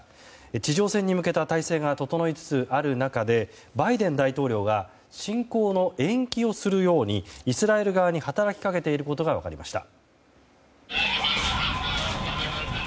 地上戦に向けた態勢が整いつつある中でバイデン大統領が侵攻の延期をするようにイスラエル側に働きかけていることが分かりました。